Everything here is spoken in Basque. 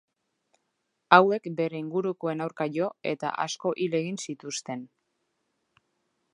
Hauek bere ingurukoen aurka jo eta asko hil egin zituzten.